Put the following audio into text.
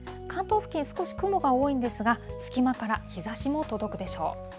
関東付近、少し雲が多いんですが、隙間から日ざしも届くでしょう。